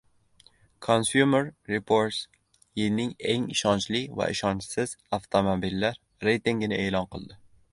Consumer Repors yilning eng ishonchli va ishonchsiz avtomobillar reytingini e'lon qildi